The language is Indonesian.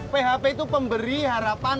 php itu pemberi harapan